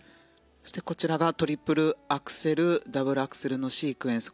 そしてこちらがトリプルアクセルダブルアクセルのシークエンス。